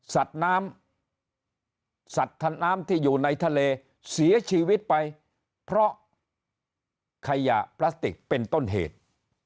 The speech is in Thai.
สัตว์น้ำสัตว์น้ำที่อยู่ในทะเลเสียชีวิตไปเพราะขยะพลาสติกเป็นต้นเหตุ